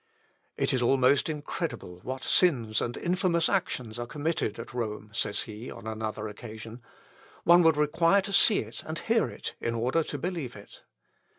" "It is almost incredible what sins and infamous actions are committed at Rome," says he, on another occasion; "one would require to see it and hear it in order to believe it.